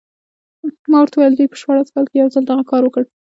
ما ورته وویل دوی په شپاړس کال کې یو ځل دغه کار وکړ.